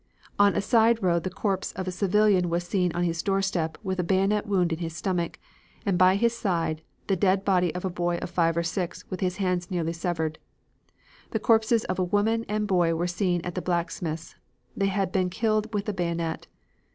On a side road the corpse of a civilian was seen on his doorstep with a bayonet wound in his stomach and by his side the dead body of a boy of five or six with his hands nearly severed. The corpses of a woman and boy were seen at the blacksmith's. They had been killed with the bayonet.